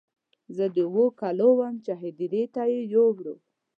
زه د اوو کالو وم چې هدیرې ته یې یووړ.